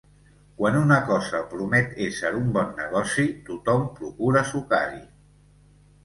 Quan una cosa promet ésser un bon negoci, tothom procura sucar-hi.